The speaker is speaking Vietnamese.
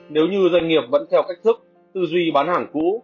nếu như doanh nghiệp vẫn theo cách thức tư duy bán hàng cũ